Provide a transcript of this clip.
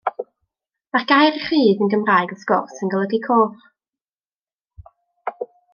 Mae'r gair rhudd yn Gymraeg, wrth gwrs, yn golygu coch.